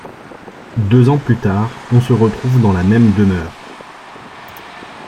Deux ans plus tard, on se retrouve dans la même demeure.